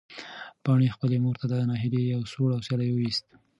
پاڼې خپلې مور ته د ناهیلۍ یو سوړ اسوېلی وویست.